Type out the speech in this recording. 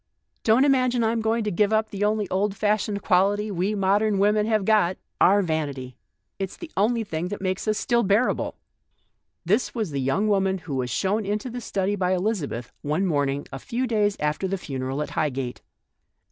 Don't imagine I'm going to give up the only old fashioned quality we modern women have got — our vanity. It's the only thing that makes us still bearable." This was the young woman who was shown into the study by Elizabeth one morn ing a few days after the funeral at Highgate.